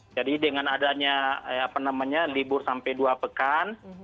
jadi dengan adanya libur sampai dua pekan